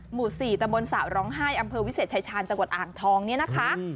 หมู่๔ตะบนสระร้องไห้อำเภอวิเศษชายชาญจังหวัดอ่างทองเนี่ยนะคะ